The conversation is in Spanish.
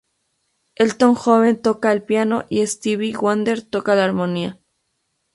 Elton John tocaba el piano y Stevie Wonder tocó la armónica.